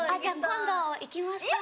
今度行きましょう。